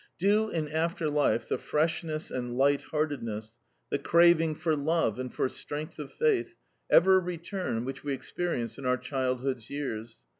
Do in after life the freshness and light heartedness, the craving for love and for strength of faith, ever return which we experience in our childhood's years?